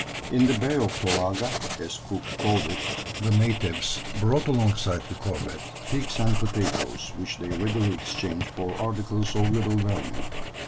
In the Bay of Tolaga, as Cook called it, the natives brought alongside the corvette pigs and potatoes, which they readily exchanged for articles of little value.